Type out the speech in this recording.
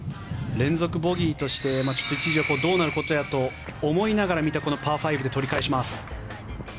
連続ボギーとして一時はどうなることやと思いながら見たこのパー５で取り返します。